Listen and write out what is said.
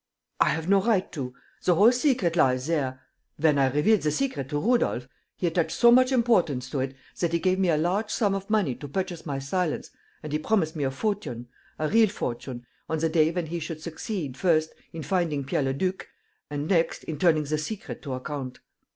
"I have no right to. The whole secret lies there. When I revealed the secret to Rudolf, he attached so much importance to it that he gave me a large sum of money to purchase my silence and he promised me a fortune, a real fortune, on the day when he should succeed, first, in finding Pierre Leduc and, next, in turning the secret to account."